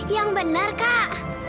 yang benar kak